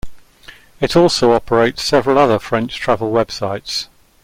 It also operates several other French travel websites.